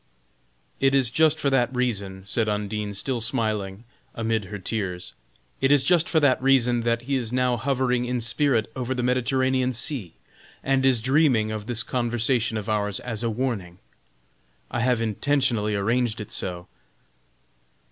"It is just for that reason," said Undine, still smiling amid her tears, "it is just for that reason, that he is now hovering in spirit over the Mediterranean Sea, and is dreaming of this conversation of ours as a warning. I have intentionally arranged it so."